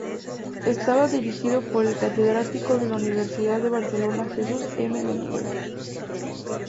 Estaba dirigido por el catedrático de la Universidad de Barcelona Jesús M. de Miguel.